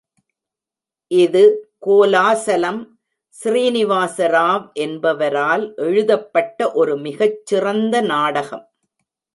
இது கோலாசலம் ஸ்ரீனிவாசராவ் என்பவரால் எழுதப்பட்ட ஒரு மிகச் சிறந்த நாடகம்.